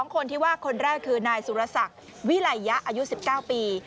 คนที่ว่าคนแรกคือนายสุรศักดิ์วิไลยะอายุ๑๙ปี